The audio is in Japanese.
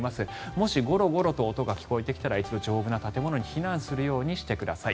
もしゴロゴロと音が聞こえてきたら一度丈夫な建物に避難するようにしてください。